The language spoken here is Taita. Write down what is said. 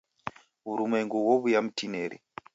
W'urumwengu ghow'uya mtinineri.